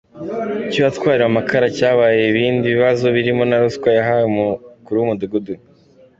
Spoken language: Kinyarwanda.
Icy’uwatwariwe amakara cyabyaye ibindi bibazo birimo na ruswa yahawe umukuru w’umudugudu.